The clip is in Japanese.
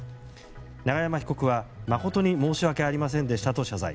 永山被告は誠に申し訳ありませんでしたと謝罪。